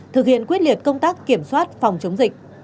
thực hiện quyết liệt công tác kiểm soát phòng chống dịch